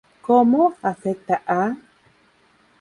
Cómo... afecta a...?